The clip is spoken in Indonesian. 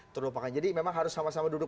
terlupakan jadi memang harus sama sama duduk